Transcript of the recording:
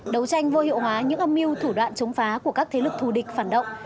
đấu tranh vô hiệu hóa những âm mưu thủ đoạn chống phá của các thế lực thù địch phản động